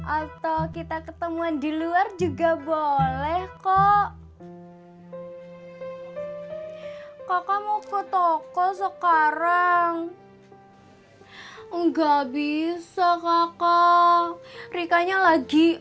atau kita ketemuan di luar juga boleh kok kakak mau ke toko sekarang enggak bisa kakak rika nya lagi